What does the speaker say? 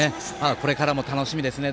これからも、楽しみですね。